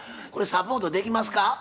これサポートできますか？